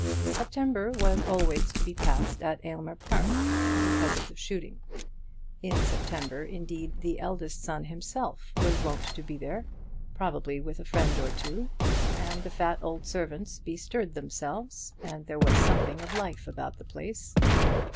September was always to be passed at Aylmer Park, because of the shooting. In September, indeed, the eldest son himself was wont to be there, probably with a friend or two, and the fat old servants bestirred themselves, and there was something of life about the place.